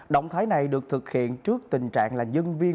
động thái này được thực hiện trước tình trạng là nhân viên